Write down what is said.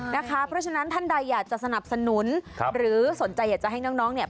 เพราะฉะนั้นท่านใดอยากจะสนับสนุนหรือสนใจอยากจะให้น้องเนี่ย